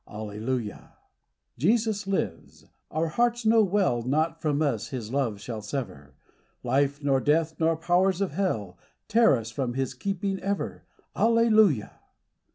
Alleluia ! 78 Jesus lives : our hearts know well Nought from us His love shall sever ; Life, nor death, nor powers of hell Tear us from His keeping ever. Alleluia